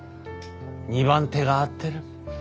２番手が合ってる。